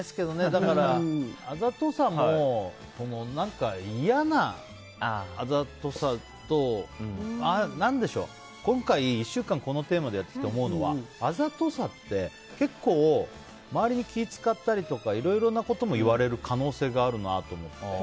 だから、あざとさも嫌なあざとさと。何でしょう今回、１週間このテーマでやってきて思うのはあざとさって結構、周りに気を遣ったりとかいろいろなことも言われる可能性があるなと思って。